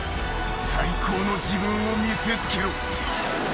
最高の自分を見せつけろ。